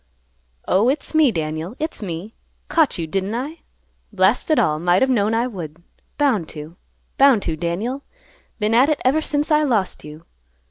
"Oh, it's me, Daniel; it's me. Caught you didn't I? Blast it all; might have known I would. Bound to; bound to, Daniel; been at it ever since I lost you.